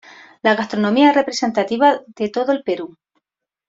La gastronomía es representativa de todo el Perú.